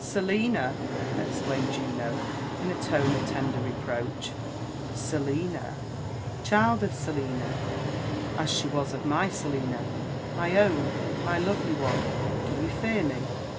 '* Selina !" exclaimed Juno in a tone of tender reproach ; Selina ! <—«hild of Selina, as she was of my Selina, my own, my lovely one ! —do you fear me